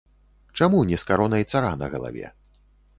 Чаму не з каронай цара на галаве?